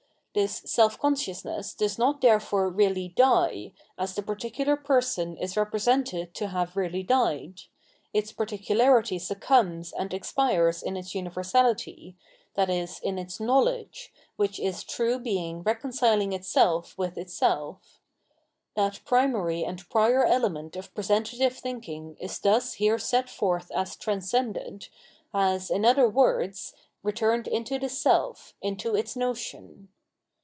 This self con sciousness does not therefore really die, as the particular person * is represented to have really died ; its particu larity succumbs and expires in its universality, i.e. in its hnowledge, which is true Being reconciling itself with itseK. That primary and prior element of presentative thinking is thus here set forth as transcended, has, in other words, returned into the self, into its notion.